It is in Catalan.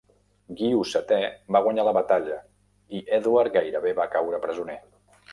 Guiu VII va guanyar la batalla i Edward gairebé va caure presoner.